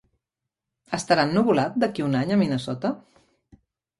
Estarà ennuvolat d'aquí a un any a Minnesota?